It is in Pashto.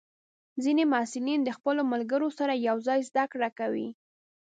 ځینې محصلین د خپلو ملګرو سره یوځای زده کړه کوي.